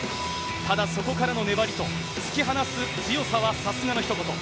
ただ、そこからの粘りと、突き放す強さはさすがのひと言。